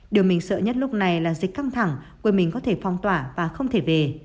điều mình sợ nhất lúc này là dịch căng thẳng quê mình có thể phong tỏa và không thể về